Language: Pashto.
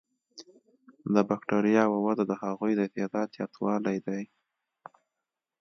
د بکټریاوو وده د هغوی د تعداد زیاتوالی دی.